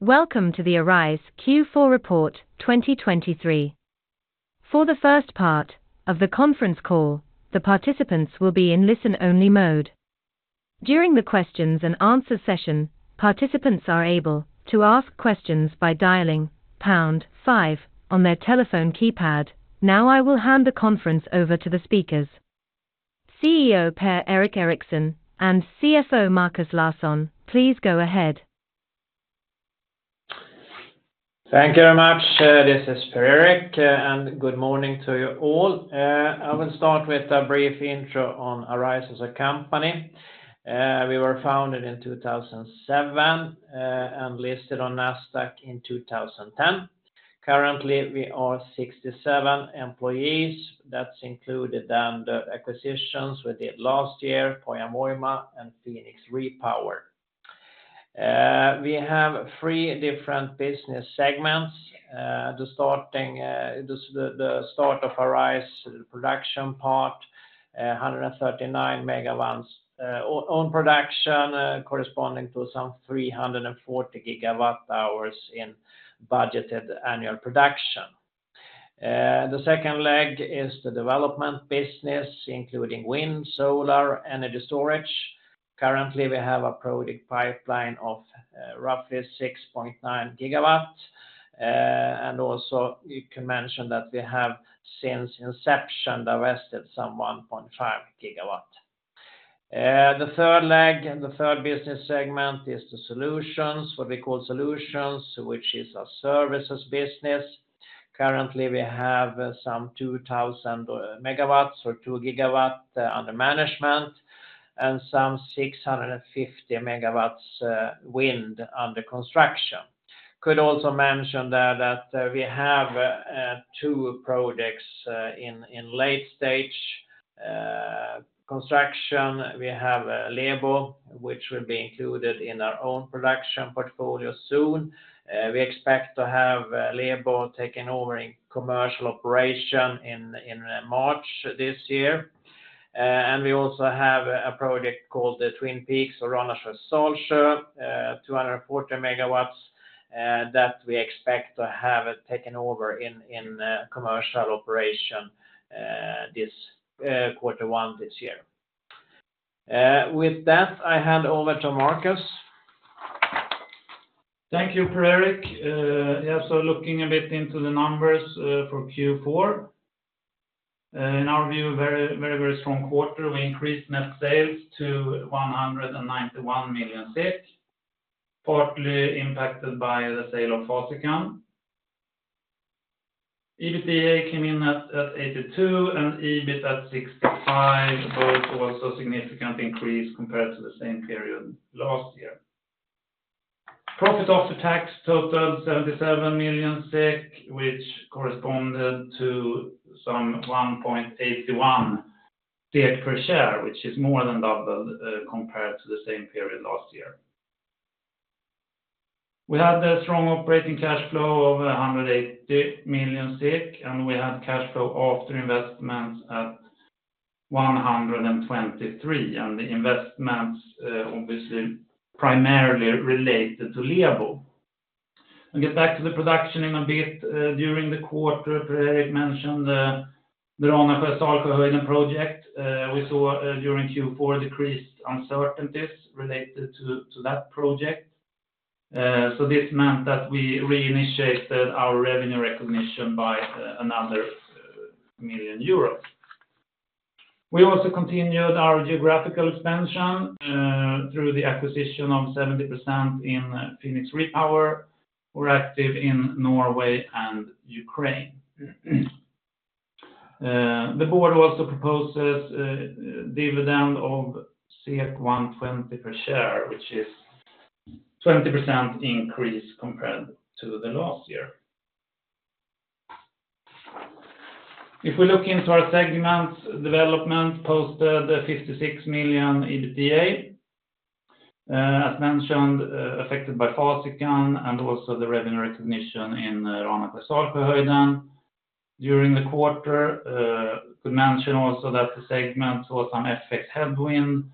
Welcome to the Arise Q4 report 2023. For the first part of the conference call, the participants will be in listen-only mode. During the questions-and-answers session, participants are able to ask questions by dialing #5 on their telephone keypad. Now I will hand the conference over to the speakers. CEO Per-Erik Eriksson and CFO Markus Larsson, please go ahead. Thank you very much. This is Per-Erik, and good morning to you all. I will start with a brief intro on Arise as a company. We were founded in 2007 and listed on Nasdaq in 2010. Currently we are 67 employees. That's included then the acquisitions we did last year, Pohjan Voima and Fenix Repower. We have three different business segments. The start of Arise, the production part, 139 MW own production, corresponding to some 340 GWh in budgeted annual production. The second leg is the development business, including wind, solar, energy storage. Currently we have a project pipeline of roughly 6.9 GW. And also you can mention that we have since inception invested some 1.5 GW. The third leg, the third business segment, is the solutions, what we call solutions, which is a services business. Currently we have some 2,000 MW or 2 GW under management and some 650 MW wind under construction. Could also mention there that we have two project in late-stage construction. We have Lebo, which will be included in our own production portfolio soon. We expect to have Lebo taking over in commercial operation in March this year. And we also have a project called the Twin Peaks or Ranasjöhöjden/Salsjöhöjden, 240 MW, that we expect to have taken over in commercial operation this quarter one this year. With that, I hand over to Markus. Thank you, Per-Erik. Yeah, so looking a bit into the numbers for Q4. In our view, very, very, very strong quarter. We increased net sales to 191 million, partly impacted by the sale of Fasikan. EBITDA came in at 82 million and EBIT at 65 million, both also significant increase compared to the same period last year. Profit after tax totaled 77 million SEK, which corresponded to some 1.81 SEK per share, which is more than doubled compared to the same period last year. We had a strong operating cash flow of 180 million SEK, and we had cash flow after investments at 123 million, and the investments obviously primarily related to Lebo. I'll get back to the production in a bit. During the quarter, Per-Erik mentioned the Ranasjöhöjden Salsjöhöjden project. We saw during Q4 decreased uncertainties related to that project. So this meant that we reinitiated our revenue recognition by another 1 million euros. We also continued our geographical expansion through the acquisition of 70% in Fenix Repower. We're active in Norway and Ukraine. The board also proposes dividend of 1.20 per share, which is 20% increase compared to the last year. If we look into our segments, Development posted 56 million EBITDA, as mentioned, affected by Fasikan and also the revenue recognition in Ranasjöhöjden Salsjöhöjden during the quarter. Could mention also that the segment was some FX headwind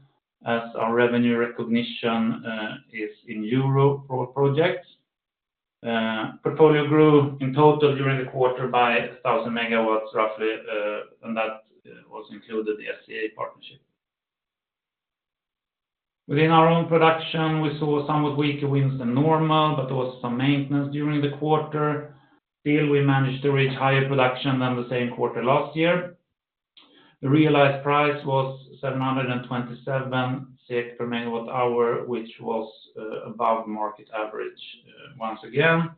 as our revenue recognition is in euro projects. Portfolio grew in total during the quarter by 1,000 MW roughly, and that also included the SCA partnership. Within our own Production, we saw somewhat weaker winds than normal, but there was some maintenance during the quarter. Still, we managed to reach higher production than the same quarter last year. The realized price was 727 SEK per MWh, which was above market average once again.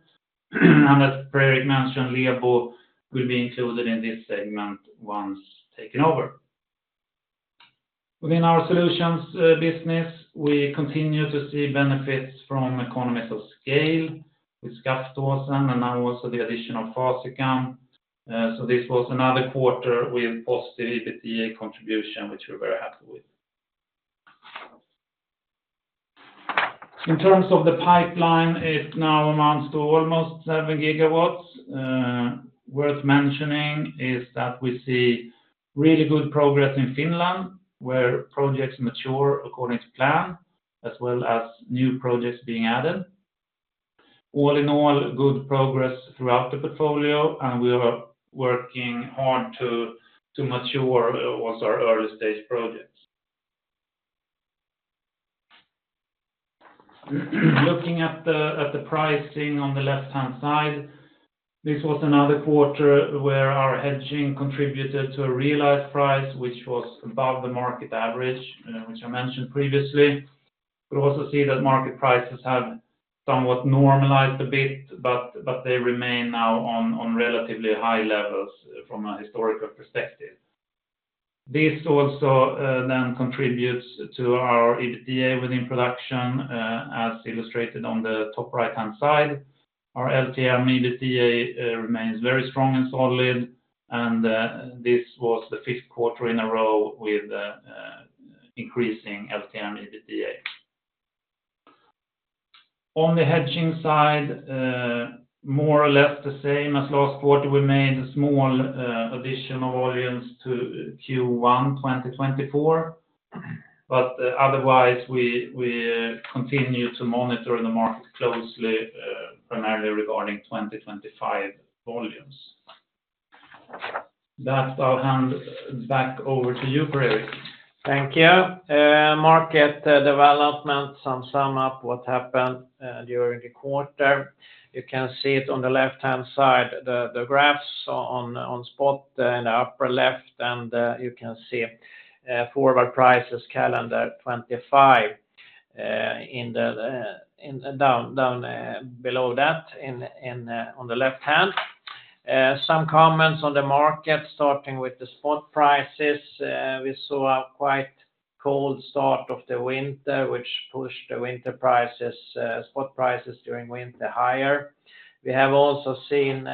As Per-Erik mentioned, Lebo will be included in this segment once taken over. Within our solutions business, we continue to see benefits from economies of scale with Skaftåsen and now also the addition of Fasikan. This was another quarter with positive EBITDA contribution, which we're very happy with. In terms of the pipeline, it now amounts to almost 7 GW. Worth mentioning is that we see really good progress in Finland where projects mature according to plan, as well as new projects being added. All in all, good progress throughout the portfolio, and we are working hard to mature also our early-stage projects. Looking at the pricing on the left-hand side, this was another quarter where our hedging contributed to a realized price, which was above the market average, which I mentioned previously. Could also see that market prices have somewhat normalized a bit, but they remain now on relatively high levels from a historical perspective. This also then contributes to our EBITDA within production, as illustrated on the top right-hand side. Our LTM EBITDA remains very strong and solid, and this was the fifth quarter in a row with increasing LTM EBITDA. On the hedging side, more or less the same as last quarter. We made a small addition of volumes to Q1 2024, but otherwise, we continue to monitor the market closely, primarily regarding 2025 volumes. That I'll hand back over to you, Per-Erik. Thank you. Market development, to sum up what happened during the quarter. You can see it on the left-hand side, the graphs on spot in the upper left, and you can see forward prices calendar 2025 down below that on the left-hand. Some comments on the market, starting with the spot prices. We saw a quite cold start of the winter, which pushed the winter prices, spot prices during winter higher. We have also seen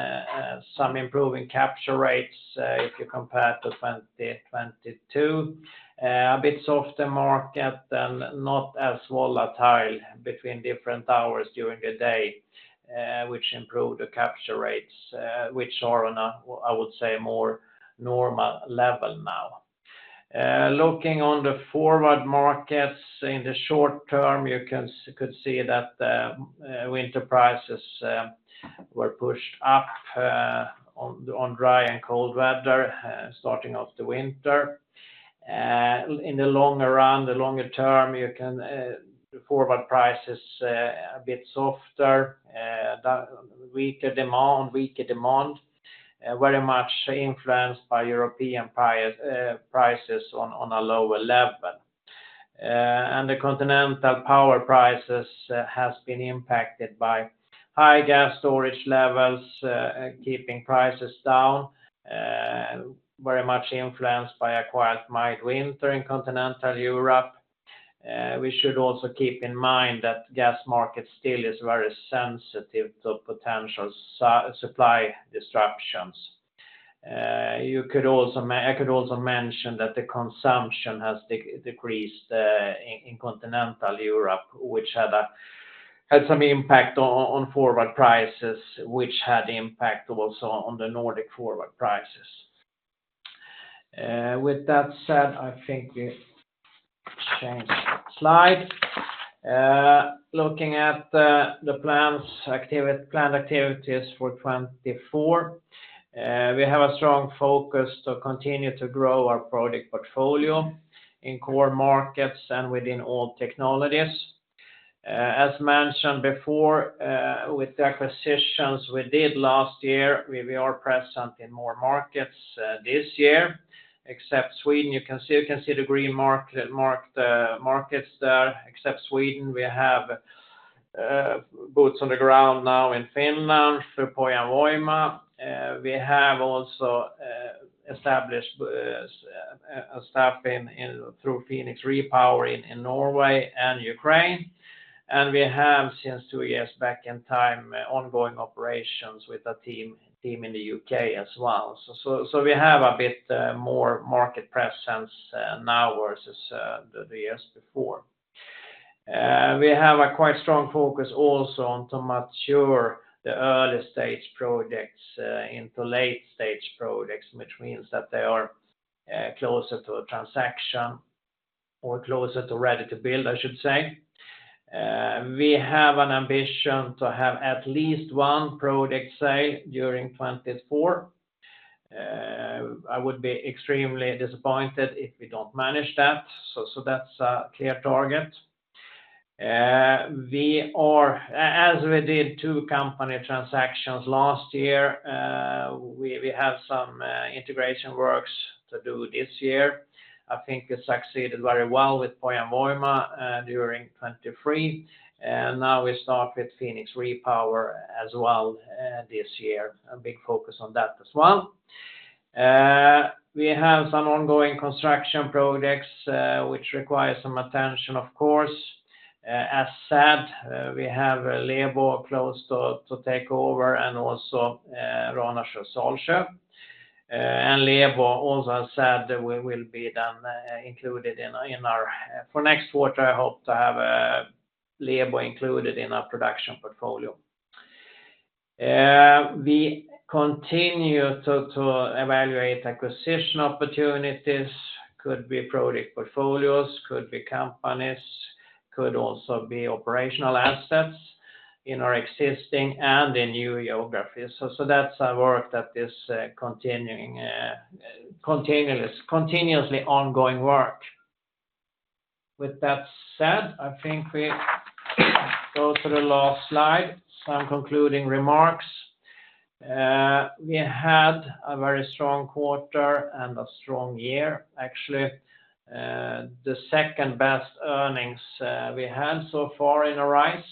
some improving capture rates if you compare to 2022. A bit softer market and not as volatile between different hours during the day, which improved the capture rates, which are on a, I would say, more normal level now. Looking on the forward markets in the short term, you could see that winter prices were pushed up on dry and cold weather starting off the winter. In the longer run, the longer term, the forward prices are a bit softer, weaker demand, very much influenced by European prices on a lower level. The continental power prices have been impacted by high gas storage levels, keeping prices down, very much influenced by a quite mild winter in continental Europe. We should also keep in mind that the gas market still is very sensitive to potential supply disruptions. I could also mention that the consumption has decreased in continental Europe, which had some impact on forward prices, which had impact also on the Nordic forward prices. With that said, I think we change slide. Looking at the planned activities for 2024, we have a strong focus to continue to grow our project portfolio in core markets and within all technologies. As mentioned before, with the acquisitions we did last year, we are present in more markets this year, except Sweden. You can see the green markets there. Except Sweden, we have boots on the ground now in Finland through Pohjan Voima. We have also established staff through Fenix Repower in Norway and Ukraine. We have, since two years back in time, ongoing operations with a team in the UK as well. So we have a bit more market presence now versus the years before. We have a quite strong focus also on to mature the early-stage projects into late-stage projects, which means that they are closer to a transaction or closer to ready to build, I should say. We have an ambition to have at least one project sale during 2024. I would be extremely disappointed if we don't manage that. So that's a clear target. As we did two company transactions last year, we have some integration works to do this year. I think we succeeded very well with Pohjan Voima during 2023. Now we start with Fenix Repower as well this year. A big focus on that as well. We have some ongoing construction projects, which require some attention, of course. As said, we have Lebo close to take over and also Ranasjöhöjden/Salsjöhöjden. Lebo, also as said, will be then included in our for next quarter, I hope to have Lebo included in our production portfolio. We continue to evaluate acquisition opportunities. Could be project portfolios, could be companies, could also be operational assets in our existing and in new geographies. So that's our work that is continuously ongoing work. With that said, I think we go to the last slide. Some concluding remarks. We had a very strong quarter and a strong year, actually. The second best earnings we had so far in Arise,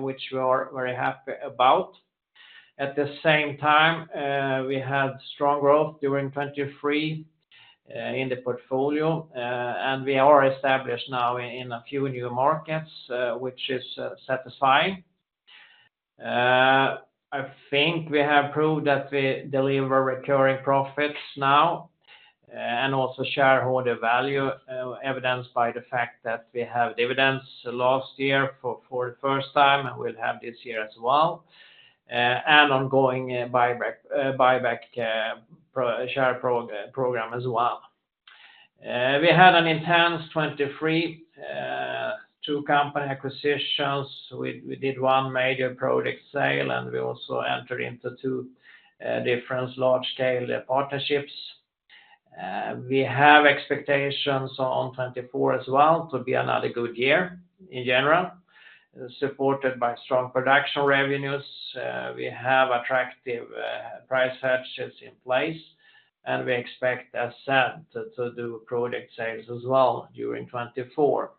which we are very happy about. At the same time, we had strong growth during 2023 in the portfolio, and we are established now in a few new markets, which is satisfying. I think we have proved that we deliver recurring profits now and also shareholder value evidenced by the fact that we have dividends last year for the first time and will have this year as well. And ongoing buyback share program as well. We had an intense 2023, two company acquisitions. We did one major project sale, and we also entered into two different large-scale partnerships. We have expectations on 2024 as well to be another good year in general, supported by strong production revenues. We have attractive price hedges in place, and we expect, as said, to do project sales as well during 2024.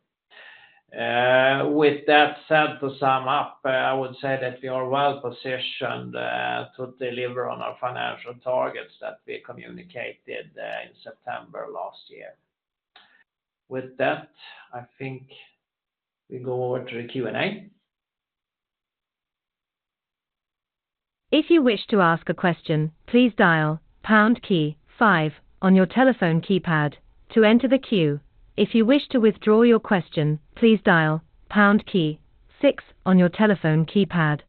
With that said, to sum up, I would say that we are well positioned to deliver on our financial targets that we communicated in September last year. With that, I think we go over to the Q&A. If you wish to ask a question, please dial pound key 5 on your telephone keypad to enter the queue. If you wish to withdraw your question, please dial pound key 6 on your telephone keypad.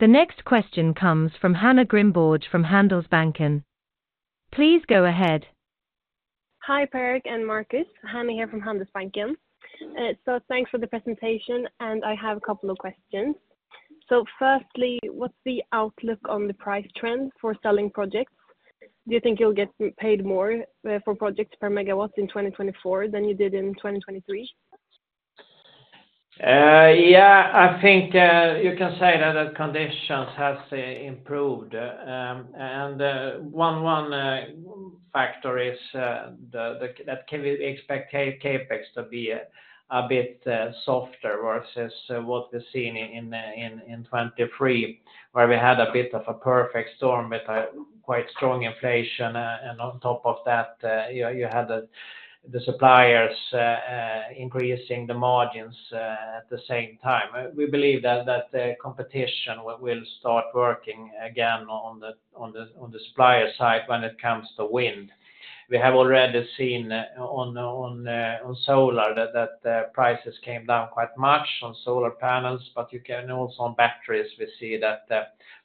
The next question comes from Hanna Grimborg from Handelsbanken. Please go ahead. Hi Per-Erik and Markus. Hanna here from Handelsbanken. Thanks for the presentation, and I have a couple of questions. Firstly, what's the outlook on the price trend for selling projects? Do you think you'll get paid more for projects per megawatt in 2024 than you did in 2023? Yeah, I think you can say that conditions have improved. And one factor is: can we expect CapEx to be a bit softer versus what we've seen in 2023, where we had a bit of a perfect storm with quite strong inflation, and on top of that, you had the suppliers increasing the margins at the same time. We believe that competition will start working again on the supplier side when it comes to wind. We have already seen on solar that prices came down quite much on solar panels, but you can also on batteries; we see that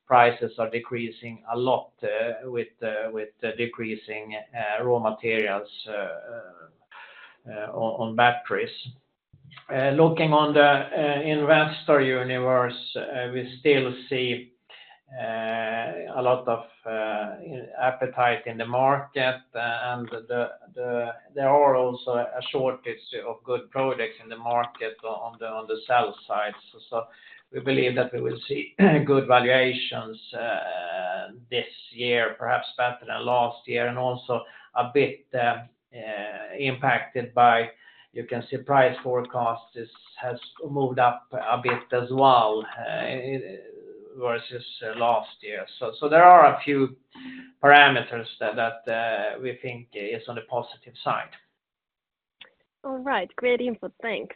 prices are decreasing a lot with decreasing raw materials on batteries. Looking on the investor universe, we still see a lot of appetite in the market, and there are also a shortage of good project in the market on the sell side. So we believe that we will see good valuations this year, perhaps better than last year, and also a bit impacted by, you can see, price forecasts has moved up a bit as well versus last year. So there are a few parameters that we think is on the positive side. All right. Great input. Thanks.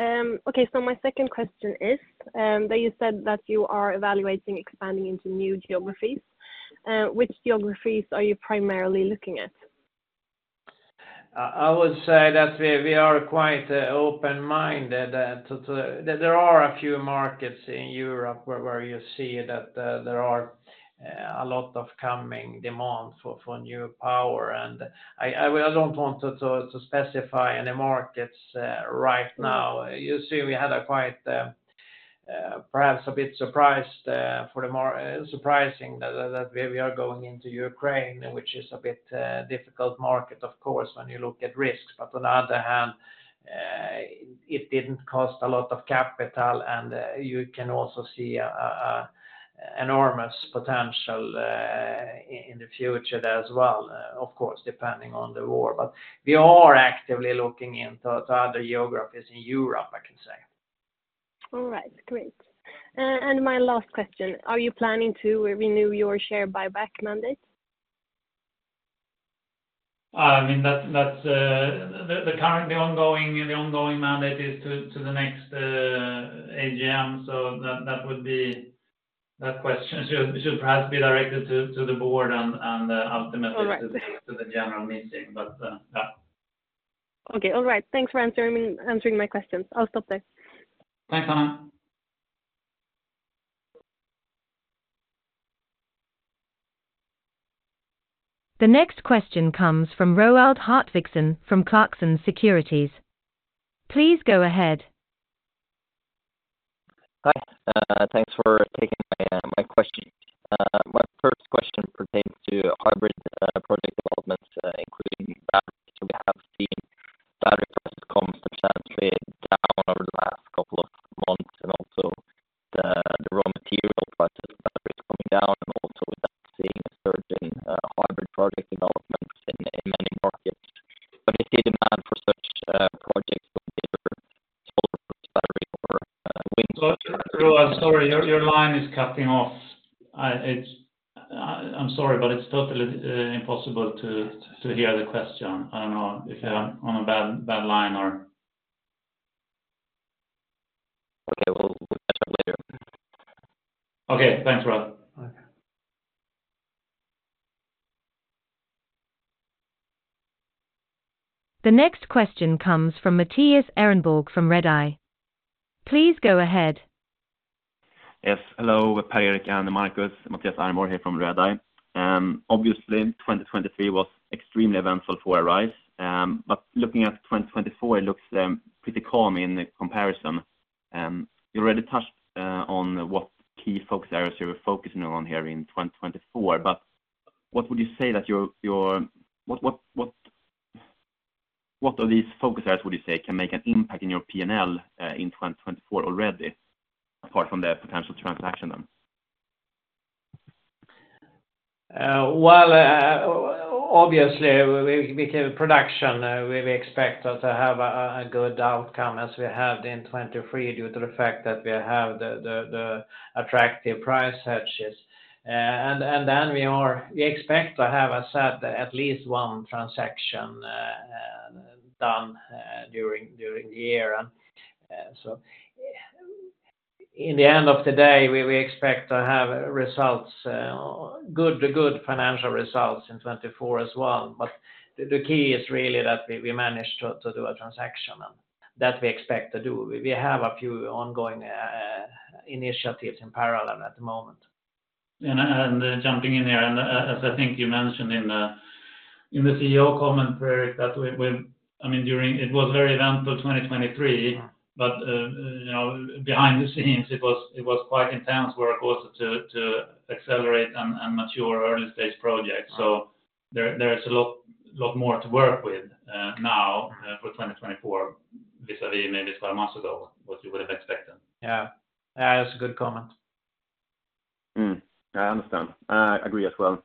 Okay, so my second question is that you said that you are evaluating expanding into new geographies. Which geographies are you primarily looking at? I would say that we are quite open-minded. There are a few markets in Europe where you see that there are a lot of coming demand for new power, and I don't want to specify any markets right now. You see, we had a quite perhaps a bit surprising that we are going into Ukraine, which is a bit difficult market, of course, when you look at risks. But on the other hand, it didn't cost a lot of capital, and you can also see enormous potential in the future there as well, of course, depending on the war. But we are actively looking into other geographies in Europe, I can say. All right. Great. And my last question, are you planning to renew your share buyback mandate? I mean, the ongoing mandate is to the next AGM, so that question should perhaps be directed to the board and ultimately to the general meeting, but yeah. Okay. All right. Thanks for answering my questions. I'll stop there. Thanks, Hanna. The next question comes from Roald Hartvigsen from Clarksons Securities. Please go ahead. Hi. Thanks for taking my question. My first question pertains to hybrid project developments, including batteries. We have seen battery prices come substantially down over the last couple of months and also the raw material prices of batteries coming down and also seeing a surge in hybrid project developments in many markets. But we see demand for such projects with either solar battery or wind. Roald, sorry, your line is cutting off. I'm sorry, but it's totally impossible to hear the question. I don't know if you're on a bad line or. Okay. We'll catch up later. Okay. Thanks, Roald. The next question comes from Mathias Ehrenborg from RedEye. Please go ahead. Yes. Hello, Per-Erik and Markus. Mathias Ehrenborg here from RedEye. Obviously, 2023 was extremely eventful for Arise, but looking at 2024, it looks pretty calm in comparison. You already touched on what key focus areas you were focusing on here in 2024, but what would you say of these focus areas would you say can make an impact in your P&L in 2024 already, apart from the potential transaction then? Well, obviously, we came to production. We expect to have a good outcome as we had in 2023 due to the fact that we have the attractive price hedges. And then we expect to have, as said, at least one transaction done during the year. And so in the end of the day, we expect to have good financial results in 2024 as well. But the key is really that we manage to do a transaction and that we expect to do. We have a few ongoing initiatives in parallel at the moment. Jumping in here, and as I think you mentioned in the CEO comment, Per-Erik, that I mean, it was very eventful 2023, but behind the scenes, it was quite intense work also to accelerate and mature early-stage projects. So there is a lot more to work with now for 2024 vis-à-vis maybe 12 months ago, what you would have expected. Yeah. Yeah, that's a good comment. I understand. I agree as well.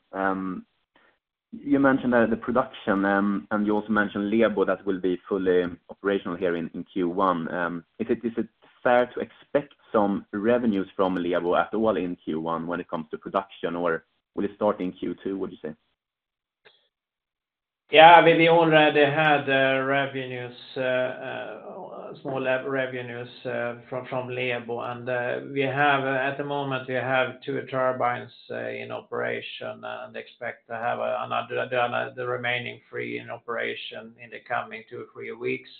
You mentioned the production, and you also mentioned Lebo that will be fully operational here in Q1. Is it fair to expect some revenues from Lebo at all in Q1 when it comes to production, or will it start in Q2, would you say? Yeah, we already had small revenues from Lebo. At the moment, we have 2 turbines in operation and expect to have the remaining 3 in operation in the coming 2 or 3 weeks.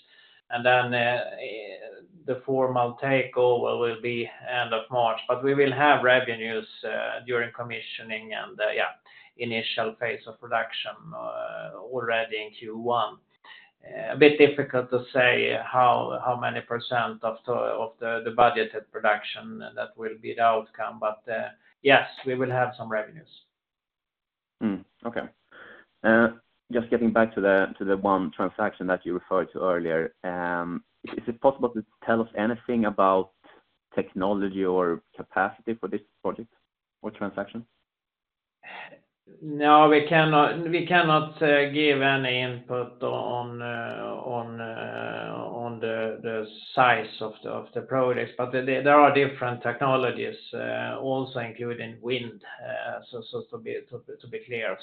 Then the formal takeover will be end of March. But we will have revenues during commissioning and, yeah, initial phase of production already in Q1. A bit difficult to say how many % of the budgeted production that will be the outcome, but yes, we will have some revenues. Okay. Just getting back to the one transaction that you referred to earlier, is it possible to tell us anything about technology or capacity for this project or transaction? No, we cannot give any input on the size of the project, but there are different technologies also, including wind, so, to be clear.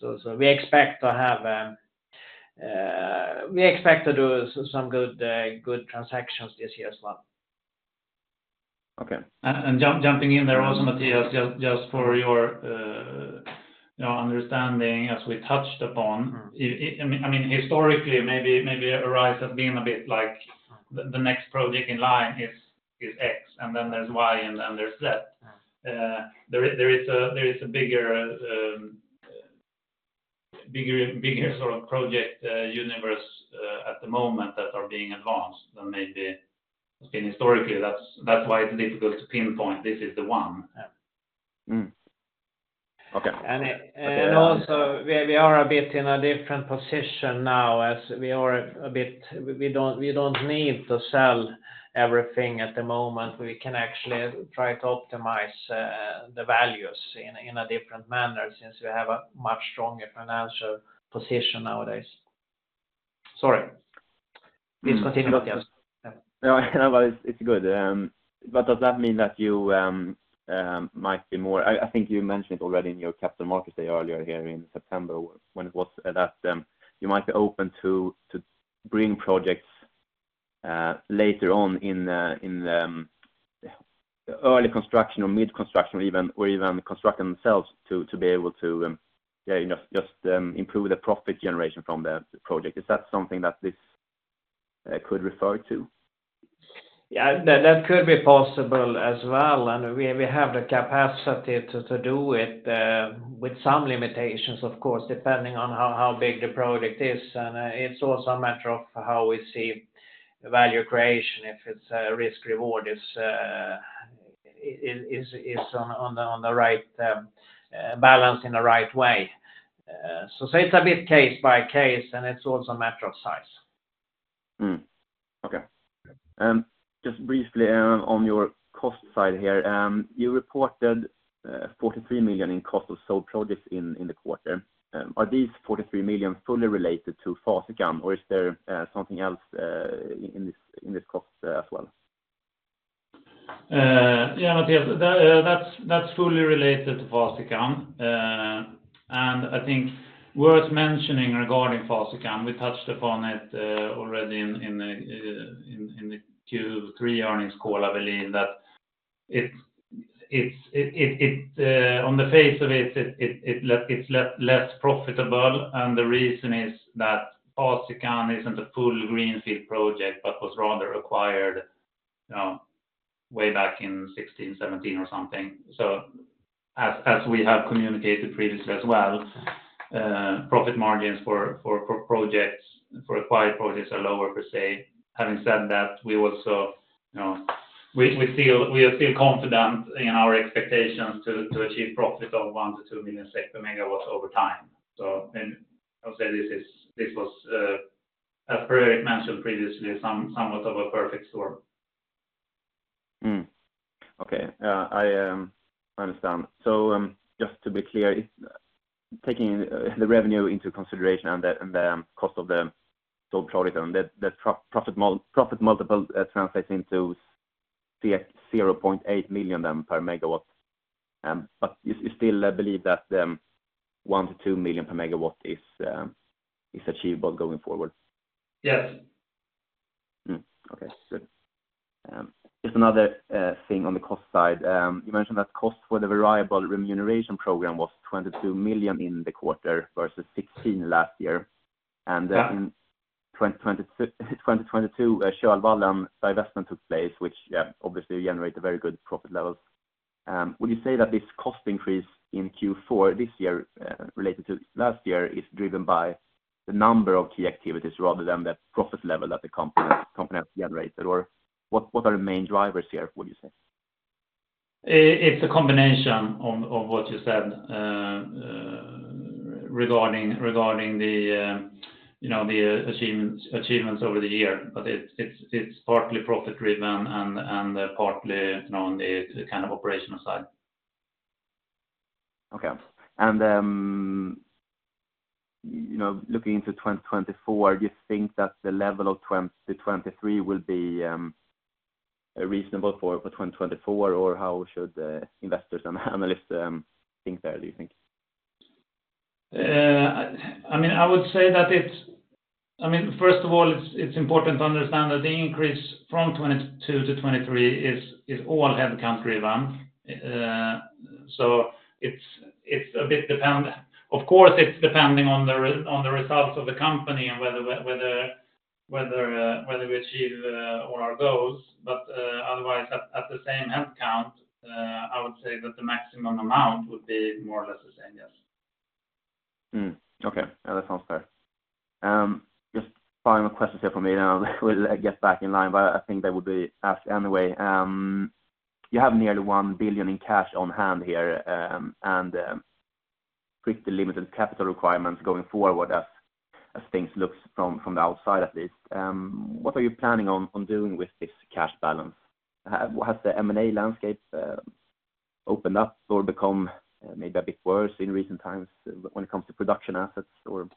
So we expect to do some good transactions this year as well. Okay. And jumping in there also, Mathias, just for your understanding, as we touched upon, I mean, historically, maybe Arise has been a bit like the next project in line is X, and then there's Y, and then there's Z. There is a bigger sort of project universe at the moment that are being advanced than maybe it's been historically. That's why it's difficult to pinpoint this is the one. Okay. And also, we are a bit in a different position now as we don't need to sell everything at the moment. We can actually try to optimize the values in a different manner since we have a much stronger financial position nowadays. Sorry. Please continue, Mathias. Yeah, no, but it's good. But does that mean that you might be more? I think you mentioned it already in your Capital Markets Day earlier here in September when it was that you might be open to bring projects later on in early construction or mid-construction or even constructing themselves to be able to just improve the profit generation from the project. Is that something that this could refer to? Yeah, that could be possible as well. We have the capacity to do it with some limitations, of course, depending on how big the project is. It's also a matter of how we see value creation, if risk-reward is on the right balance in the right way. It's a bit case by case, and it's also a matter of size. Okay. Just briefly on your cost side here, you reported 43 million in cost of sold projects in the quarter. Are these 43 million fully related to Fasikan, or is there something else in this cost as well? Yeah, Mathias, that's fully related to Fasikan. And I think worth mentioning regarding Fasikan, we touched upon it already in the Q3 earnings call, I believe, that on the face of it, it's less profitable. And the reason is that Fasikan isn't a full greenfield project but was rather acquired way back in 2016, 2017 or something. So as we have communicated previously as well, profit margins for acquired projects are lower per se. Having said that, we also we are still confident in our expectations to achieve profit of 1 million-2 million per megawatt over time. So I would say this was, as Per-Erik mentioned previously, somewhat of a perfect storm. Okay. I understand. So just to be clear, taking the revenue into consideration and the cost of the sold project, that profit multiple translates into 0.8 million then per megawatt. But you still believe that 1 million-2 million per megawatt is achievable going forward? Yes. Okay. Good. Just another thing on the cost side, you mentioned that cost for the variable remuneration program was 22 million in the quarter versus 16 million last year. And in 2022, Kölvallen divestment took place, which obviously generated very good profit levels. Would you say that this cost increase in Q4 this year related to last year is driven by the number of key activities rather than the profit level that the company has generated, or what are the main drivers here, would you say? It's a combination of what you said regarding the achievements over the year, but it's partly profit-driven and partly on the kind of operational side. Okay. And looking into 2024, do you think that the level of 2023 will be reasonable for 2024, or how should investors and analysts think there, do you think? I mean, I would say that it's—I mean, first of all, it's important to understand that the increase from 2022 to 2023 is all headcount-driven. So it's a bit dependent of course; it's depending on the results of the company and whether we achieve all our goals. But otherwise, at the same headcount, I would say that the maximum amount would be more or less the same, yes. Okay. Yeah, that sounds fair. Just final questions here for me, then I'll get back in line, but I think they would be asked anyway. You have nearly 1 billion in cash on hand here and pretty limited capital requirements going forward as things look from the outside, at least. What are you planning on doing with this cash balance? Has the M&A landscape opened up or become maybe a bit worse in recent times when it comes to production assets, or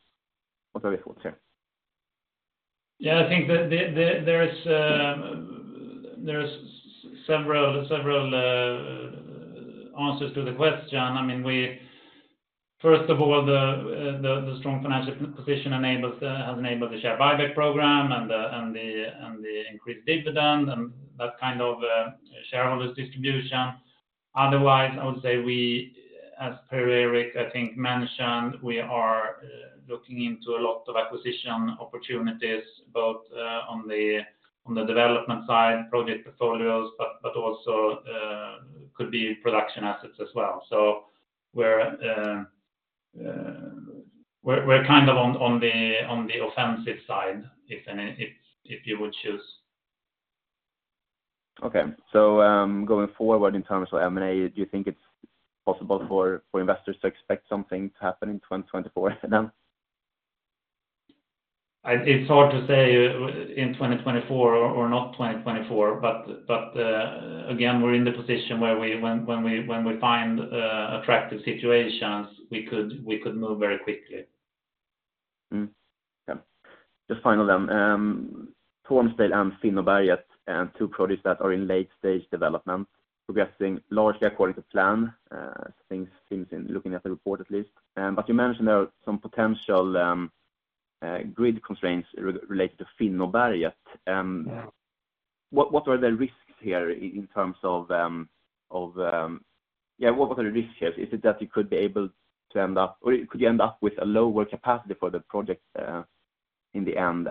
what are your thoughts here? Yeah, I think there are several answers to the question. I mean, first of all, the strong financial position has enabled the share buyback program and the increased dividend and that kind of shareholders' distribution. Otherwise, I would say we, as Per-Erik, I think, mentioned, we are looking into a lot of acquisition opportunities both on the development side, project portfolios, but also could be production assets as well. So we're kind of on the offensive side, if you would choose. Okay. Going forward in terms of M&A, do you think it's possible for investors to expect something to happen in 2024 then? It's hard to say in 2024 or not 2024, but again, we're in the position where when we find attractive situations, we could move very quickly. Okay. Just final then. Tönsen and Finnoberget, two projects that are in late-stage development, progressing largely according to plan, things seem looking at the report at least. But you mentioned there are some potential grid constraints related to Finnoberget. What are the risks here in terms of yeah, what are the risks here? Is it that you could be able to end up or could you end up with a lower capacity for the project in the end,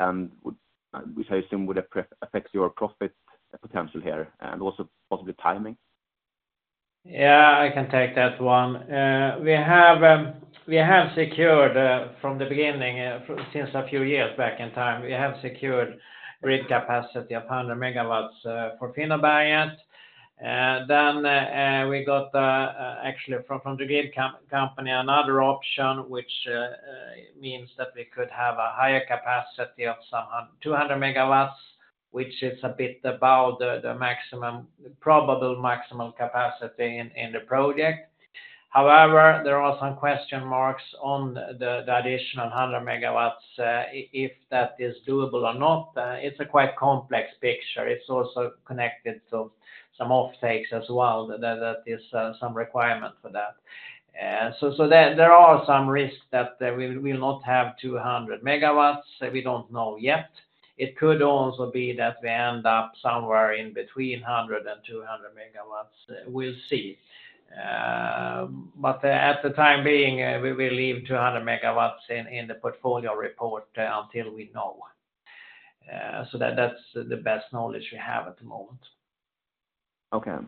which I assume would affect your profit potential here and also possibly timing? Yeah, I can take that one. We have secured from the beginning, since a few years back in time, we have secured grid capacity of 100 MW for Finnoberget. Then we got, actually, from the grid company, another option, which means that we could have a higher capacity of 200 MW, which is a bit about the probable maximal capacity in the project. However, there are some question marks on the additional 100 MW if that is doable or not. It's a quite complex picture. It's also connected to some offtakes as well. There is some requirement for that. So there are some risks that we will not have 200 MW. We don't know yet. It could also be that we end up somewhere in between 100 and 200 MW. We'll see. But at the time being, we will leave 200 MW in the portfolio report until we know. So that's the best knowledge we have at the moment. Okay.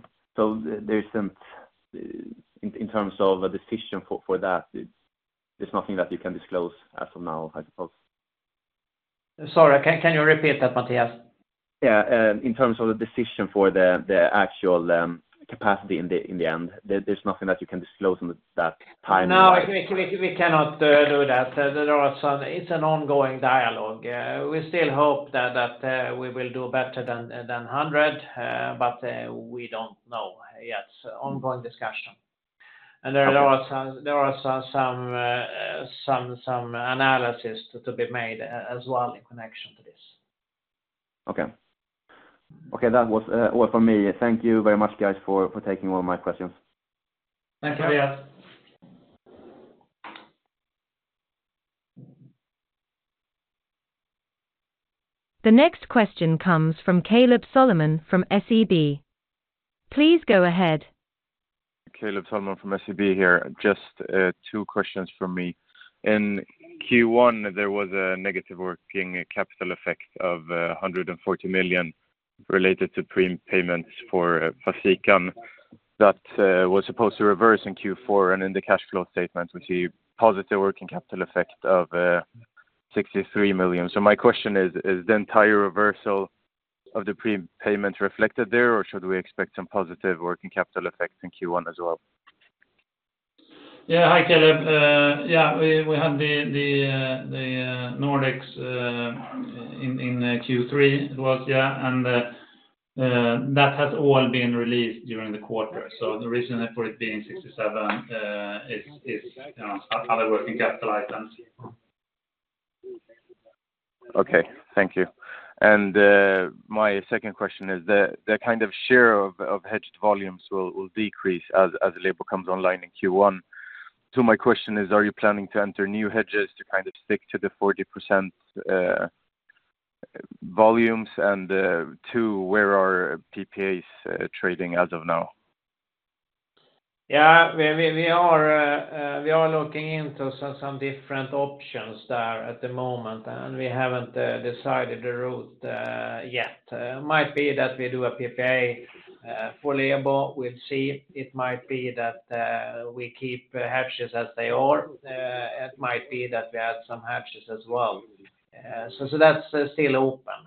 In terms of a decision for that, there's nothing that you can disclose as of now, I suppose? Sorry, can you repeat that, Mathias? Yeah. In terms of the decision for the actual capacity in the end, there's nothing that you can disclose on that time now? No, we cannot do that. It's an ongoing dialogue. We still hope that we will do better than 100, but we don't know yet. Ongoing discussion. There are some analysis to be made as well in connection to this. Okay. Okay, that was all from me. Thank you very much, guys, for taking all my questions. Thank you, Mathias. The next question comes from Caleb Solomon from SEB. Please go ahead. Caleb Solomon from SEB here. Just two questions from me. In Q1, there was a negative working capital effect of 140 million related to prepayments for Fasikan that was supposed to reverse in Q4. And in the cash flow statement, we see positive working capital effect of 63 million. So my question is, is the entire reversal of the prepayments reflected there, or should we expect some positive working capital effects in Q1 as well? Yeah, hi Caleb. Yeah, we had the Nordex in Q3; it was, yeah. And that has all been released during the quarter. So the reason for it being 67 is other working capital items. Okay. Thank you. And my second question is, the kind of share of hedged volumes will decrease as the Lebo comes online in Q1. So my question is, are you planning to enter new hedges to kind of stick to the 40% volumes? And two, where are PPAs trading as of now? Yeah, we are looking into some different options there at the moment, and we haven't decided the route yet. Might be that we do a PPA for Lebo. We'll see. It might be that we keep hedges as they are. It might be that we add some hedges as well. So that's still open.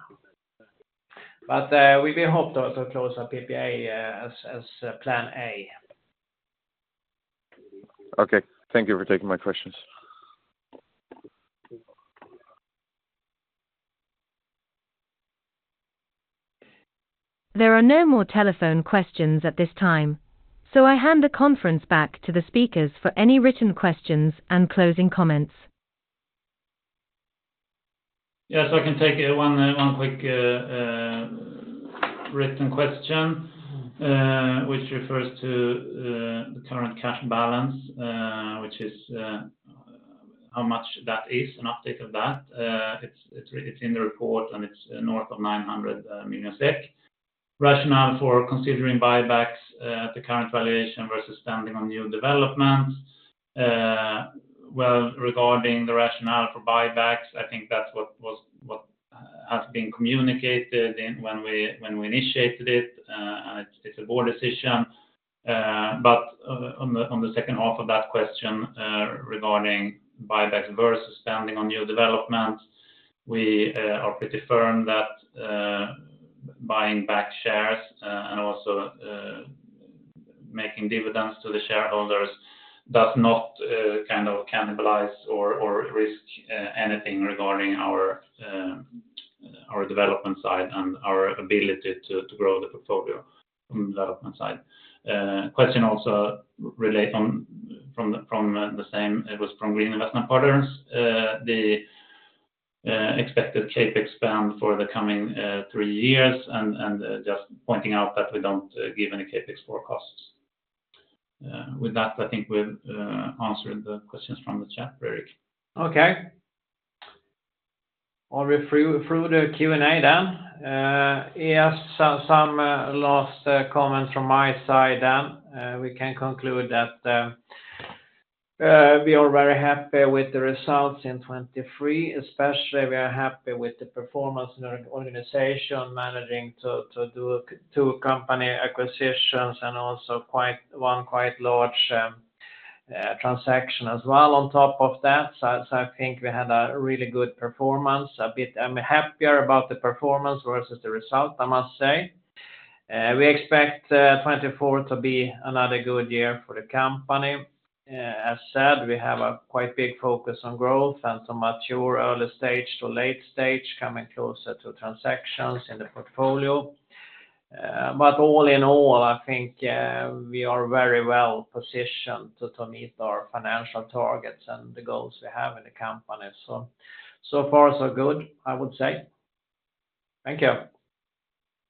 But we hope to close our PPA as plan A. Okay. Thank you for taking my questions. There are no more telephone questions at this time, so I hand the conference back to the speakers for any written questions and closing comments. Yes, I can take one quick written question, which refers to the current cash balance, which is how much that is, an update of that. It's in the report, and it's north of 900 million SEK. Rationale for considering buybacks at the current valuation versus standing on new developments. Well, regarding the rationale for buybacks, I think that's what has been communicated when we initiated it, and it's a board decision. But on the second half of that question regarding buybacks versus standing on new developments, we are pretty firm that buying back shares and also making dividends to the shareholders does not kind of cannibalize or risk anything regarding our development side and our ability to grow the portfolio from the development side. Question also relates from the same; it was from Green Investment Partners, the expected CapEx spend for the coming three years, and just pointing out that we don't give any CapEx forecasts. With that, I think we've answered the questions from the chat, Per-Erik. Okay. I'll lead you through the Q&A then. I'll make some last comments from my side then, we can conclude that we are very happy with the results in 2023, especially we are happy with the performance in our organization managing to do two company acquisitions and also one quite large transaction as well. On top of that, so I think we had a really good performance. I'm happier about the performance versus the result, I must say. We expect 2024 to be another good year for the company. As said, we have a quite big focus on growth and some mature early stage to late stage coming closer to transactions in the portfolio. But all in all, I think we are very well positioned to meet our financial targets and the goals we have in the company. So far so good, I would say. Thank you.